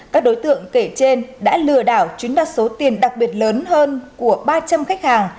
các đối tượng kể trên đã lừa đảo chiếm đoạt số tiền đặc biệt lớn hơn của ba trăm linh khách hàng